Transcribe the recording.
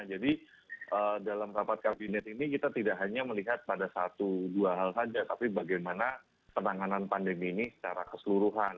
jadi dalam rapat kabinet ini kita tidak hanya melihat pada satu dua hal saja tapi bagaimana penanganan pandemi ini secara keseluruhan